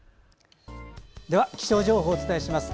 では気象情報をお伝えします。